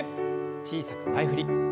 小さく前振り。